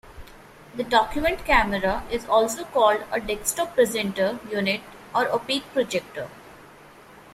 The document camera is also called a desktop presenter unit or opaque projector.